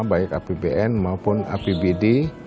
baik apbn maupun apbd